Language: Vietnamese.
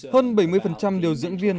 hơn bảy mươi điều dưỡng viên